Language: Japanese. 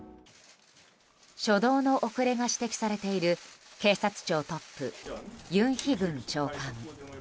初動の遅れが指摘されている警察庁トップユン・ヒグン長官。